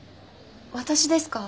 私ですか？